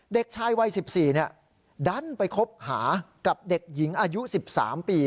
เด็กชายวัยสิบสี่เนี่ยดันไปคบหากับเด็กหญิงอายุสิบสามปี